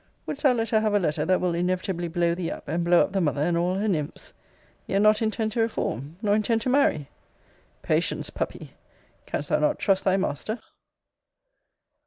wouldest thou let her have a letter that will inevitably blow thee up; and blow up the mother, and all her nymphs! yet not intend to reform, nor intend to marry? Patience, puppy! Canst thou not trust thy master?